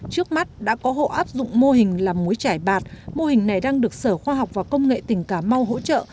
trước mắt đã có hộ áp dụng mô hình làm muối trải bạt mô hình này đang được sở khoa học và công nghệ tỉnh cà mau hỗ trợ